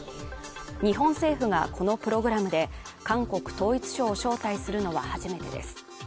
日本政府がこのプログラムで韓国統一相を招待するのは初めてです。